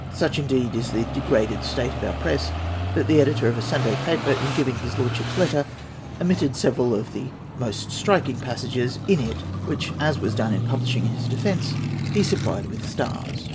Such, indeed, is the degraded state of our press, that the editor of a Sunday paper, in giving his Lordship's letter, omitted several of the most striking pas sages in it, which, as was done in publisliing his defence, he supplied with stars